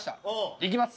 いきます！